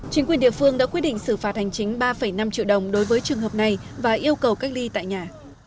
chính quyền địa phương đã quyết định xử phạt hành chính ba năm triệu đồng đối với trường hợp này và yêu cầu cách ly tại nhà